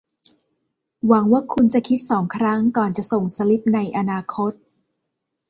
หวังว่าคุณจะคิดสองครั้งก่อนจะส่งสลิปในอนาคต